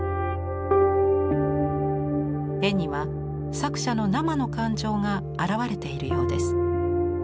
絵には作者の生の感情が表れているようです。